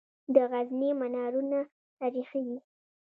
د غزني منارونه تاریخي دي